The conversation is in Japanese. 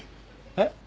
えっ